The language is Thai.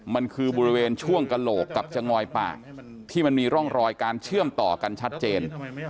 มันคือบริเวณช่วงกระโหลกกับจะงอยปากที่มันมีร่องรอยการเชื่อมต่อกันชัดเจน